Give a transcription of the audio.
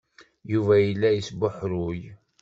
Yuba yella yesbuḥruy.